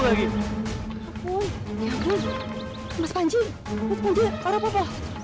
ya ampun mas panji bukti dia apa apa